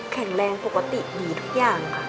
แข็งแรงปกติดีทุกอย่างค่ะ